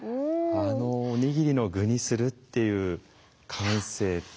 あのおにぎりの具にするっていう感性。